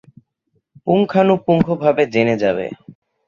পুঙ্খানুপুঙ্খভাবে জেনে যাবে।